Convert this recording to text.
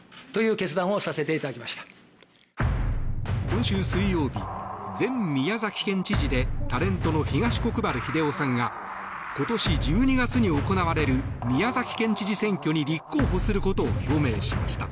今週水曜日、前宮崎県知事でタレントの東国原英夫さんが今年１２月に行われる宮崎県知事選挙に立候補することを表明しました。